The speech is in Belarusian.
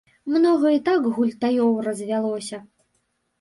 Многа і так гультаёў развялося!